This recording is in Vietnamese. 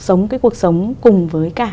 sống cái cuộc sống cùng với cả